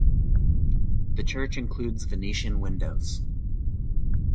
The church includes Venetian windows.